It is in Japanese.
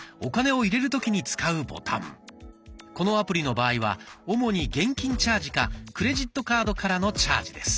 このアプリの場合は主に現金チャージかクレジットカードからのチャージです。